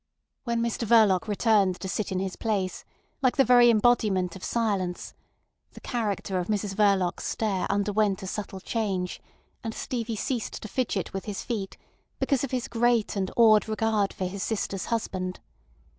When Mr Verloc returned to sit in his place, like the very embodiment of silence, the character of Mrs Verloc's stare underwent a subtle change, and Stevie ceased to fidget with his feet, because of his great and awed regard for his sister's husband.